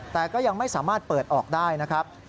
แต่ก็ยังไม่สามารถเปิดออกได้นะครับ